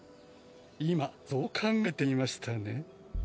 今そう考えていましたね？